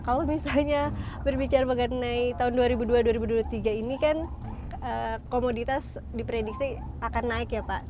kalau misalnya berbicara mengenai tahun dua ribu dua dua ribu dua puluh tiga ini kan komoditas diprediksi akan naik ya pak